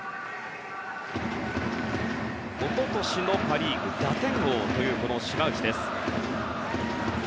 おととしのパ・リーグ打点王というこの島内です。